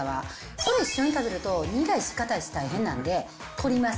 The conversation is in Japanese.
それ一緒に食べると、苦いし、硬いし、大変なんで取ります。